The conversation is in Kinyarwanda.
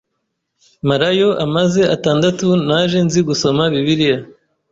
marayo amaze atandatu naje nzi gusoma Bibiliya